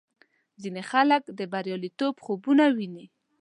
ځینې خلک د بریالیتوب خوبونه ویني.